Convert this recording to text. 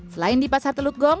selain di pasar teluk gong